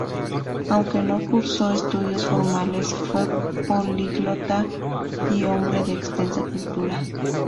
Aunque no cursó estudios formales, fue políglota y hombre de extensa cultura.